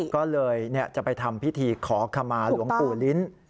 ก็เลยจะไปทำพิธีขอขมาหลวงปู่ลิ้น